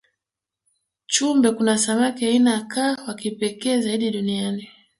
chumbe kuna samaki aina ya kaa wakipekee zaidi duniani